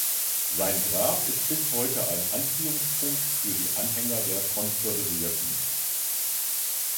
Sein Grab ist bis heute ein Anziehungspunkt für die Anhänger der Konföderierten.